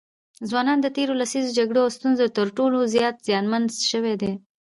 ځوانان د تېرو لسیزو جګړو او ستونزو تر ټولو زیات زیانمن سوي دي.